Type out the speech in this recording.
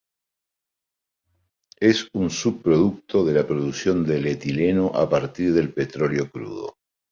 Es un subproducto de la producción del etileno a partir del petróleo crudo.